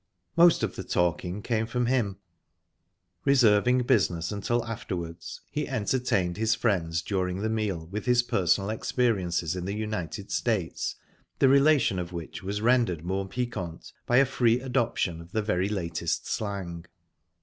Most of the talking came from him. Reserving business until afterwards, he entertained his friends during the meal with his personal experiences in the United States, the relation of which was rendered more piquant by a free adoption of the very latest slang.